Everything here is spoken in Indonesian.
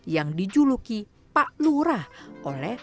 yang dijuluki pak lurah